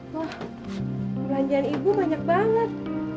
wah perbelanjaan ibu banyak banget